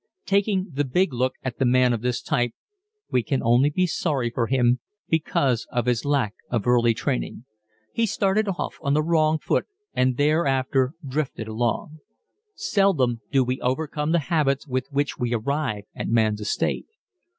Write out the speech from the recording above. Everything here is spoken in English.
Taking the big look at the man of this type we can only be sorry for him because of his lack of early training. He started off on the wrong foot and thereafter drifted along. Seldom do we overcome the habits with which we arrive at man's estate.